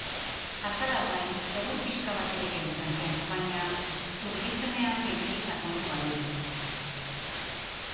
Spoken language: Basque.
Azalaz gain, egur pixka bat ere kentzen zen, baina zurgizenean gehiegi sakondu gabe.